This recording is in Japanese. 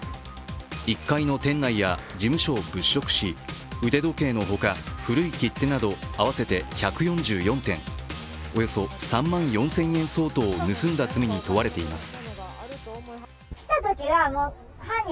１階の店内や事務所を物色し腕時計のほか古い切手など合わせて１４４点、およそ３万４０００円相当を盗んだ罪に問われています。